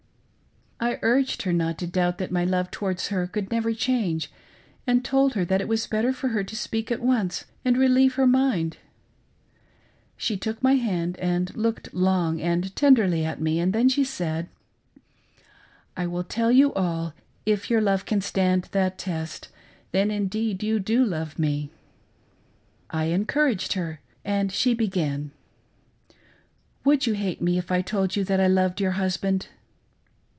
I urged her not to doubt that my love towards her could never change, and told her that it was better for her to speak at once and relieve her mind. She took my hand, and looked long and tenderly at me, and then she said: "I will tell you all, and if your love can stand that test, then indeed you do love me." I encouraged her, and she began: "Would you hate me if I told you that I loved your husband.'"